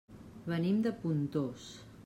Venim de Pontós.